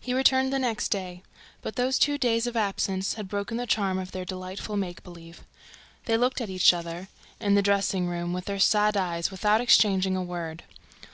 He returned the next day. But those two days of absence had broken the charm of their delightful make believe. They looked at each other, in the dressing room, with their sad eyes, without exchanging a word.